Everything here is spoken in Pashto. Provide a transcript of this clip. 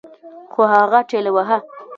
خو هغه ټېلوهه.